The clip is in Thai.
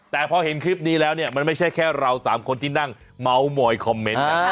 แต่พอเห็นคลิปนี้แล้วเนี่ยมันไม่ใช่แค่เรา๓คนที่นั่งเมาส์มอยคอมเมนต์นะ